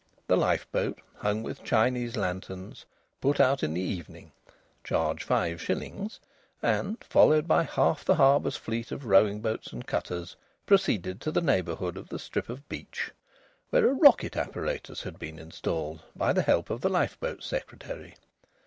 The lifeboat, hung with Chinese lanterns, put out in the evening (charge five shillings) and, followed by half the harbour's fleet of rowing boats and cutters, proceeded to the neighbourhood of the strip of beach, where a rocket apparatus had been installed by the help of the Lifeboat Secretary.